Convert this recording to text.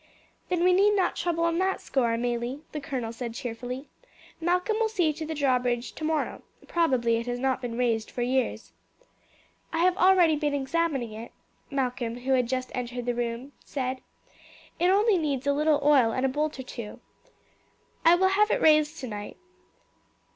"Then we need not trouble on that score, Amelie," the colonel said cheerfully. "Malcolm will see to the drawbridge tomorrow; probably it has not been raised for years." "I have already been examining it," Malcolm who had just entered the room said. "It only needs a little oil and a bolt or two. I will have it raised tonight.